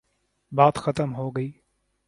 بات ختم ہو گئی۔